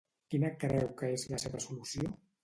Quina creu que és la seva solució?